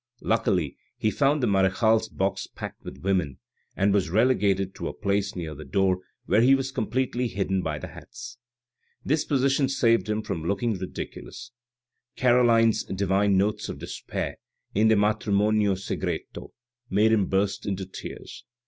Luckily he found the marechale's box packed with women, and was relegated to a place near the door where he was completely hidden by the hats. This position saved him from looking ridiculous ; Caroline's divine notes of despair in the Alatrimonio Segreto made him burst into tears.